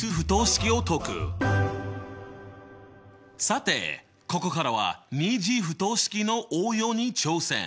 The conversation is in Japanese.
さてここからは２次不等式の応用に挑戦！